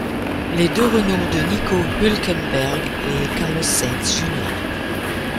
Les deux Renault de Nico Hülkenberg et Carlos Sainz Jr.